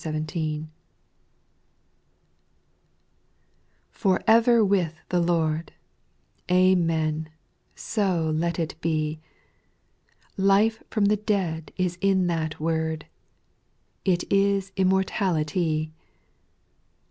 TIOR ever with the Lord I Jl Amen, so let it be I Life from the dead is in that word, 'T is immortality.